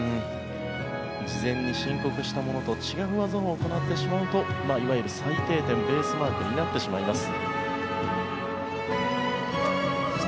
事前に申告したものと違う技を行ってしまうといわゆる最低点、ベースマークになってしまいます。